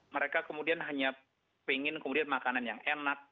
mereka kemudian hanya pengen kemudian makanan yang enak